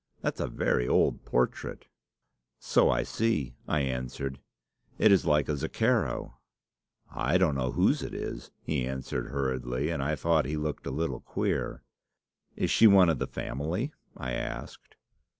That's a very old portrait.' "'So I see,' I answered. 'It is like a Zucchero.' "'I don't know whose it is," he answered hurriedly, and I thought he looked a little queer. "'Is she one of the family?' I asked.